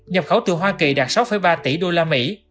nhập khẩu từ hoa kỳ đạt sáu ba tỷ đô la mỹ